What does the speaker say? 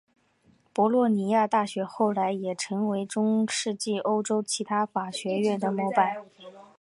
博洛尼亚大学后来也成为了中世纪欧洲其他法学院的模板。